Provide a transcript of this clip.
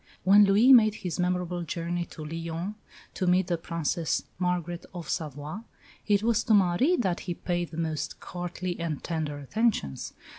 When Louis made his memorable journey to Lyons to meet the Princess Margaret of Savoy, it was to Marie that he paid the most courtly and tender attentions.